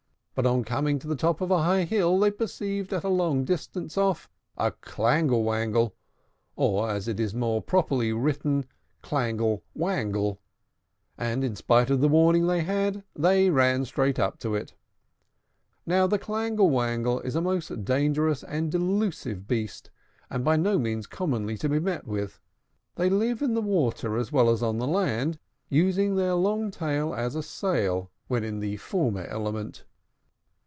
But, on coming to the top of a high hill, they perceived at a long distance off a Clangle Wangle (or, as it is more properly written, Clangel Wangel); and, in spite of the warning they had had, they ran straight up to it. (Now, the Clangle Wangle is a most dangerous and delusive beast, and by no means commonly to be met with. They live in the water as well as on land, using their long tail as a sail when in the former element.